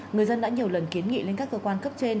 người dân đã nhiều lần kiến nghị lên các cơ quan cấp trên